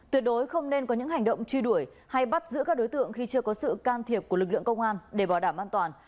tuyệt đối không nên có những hành động truy đuổi hay bắt giữ các đối tượng khi chưa có sự can thiệp của lực lượng công an để bảo đảm an toàn